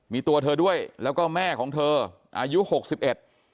มีตัวเธอด้วยแล้วก็แม่ของเธออายุหกสิบเอ็ด